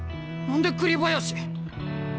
何で栗林？